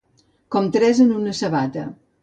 Com tres en una sabata.